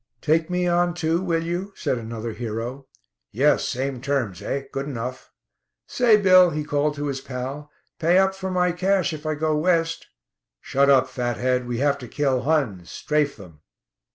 "Take me on, too, will you?" said another hero. "Yes. Same terms, eh? Good enough." "Say Bill," he called to his pal, "pay up from my cash if I 'go West.'" "Shut up, fathead; we have to kill Huns, 'strafe' them."